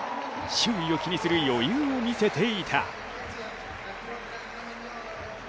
周囲を気にする余裕を見せていた。